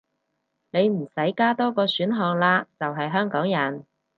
你唔使加多個選項喇，就係香港人